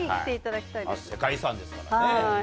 世界遺産ですからね。